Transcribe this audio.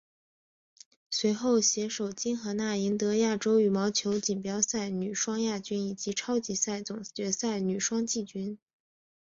随后携手金荷娜赢得亚洲羽毛球锦标赛女双亚军以及超级赛总决赛女双季军。